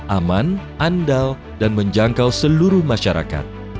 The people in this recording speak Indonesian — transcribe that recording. aman andal dan menjangkau seluruh masyarakat